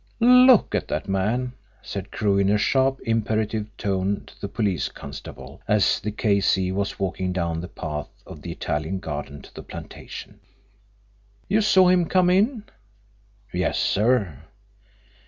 "Look at that man," said Crewe, in a sharp imperative tone to the police constable, as the K.C. was walking down the path of the Italian garden to the plantation. "You saw him come in?" "Yes, sir."